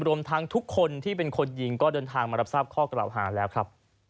รวมทั้งทุกคนที่เป็นคนยิงก็เดินทางมารับทราบข้อกล่าวหาแล้วครับ